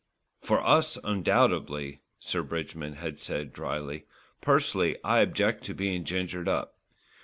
"For us, undoubtedly," Sir Bridgman had said drily. "Personally I object to being gingered up.